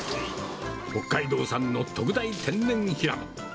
北海道産の特大天然ヒラメ。